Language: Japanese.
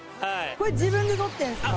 これ自分で撮ってんすか？